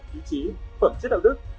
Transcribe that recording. ý chí phẩm chất đạo đức